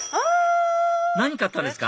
何買ったんですか？